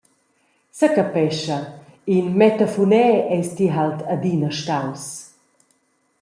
Secapescha, in mettafuner eis ti halt adina staus.